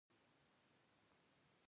دا پر اېټالیا د قیصر له لوري یرغل و